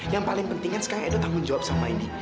yang paling penting sekarang edo tanggung jawab sama indi